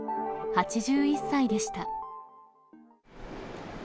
８１歳でした。